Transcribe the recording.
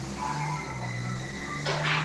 鸦跖花为毛茛科鸦跖花属下的一个种。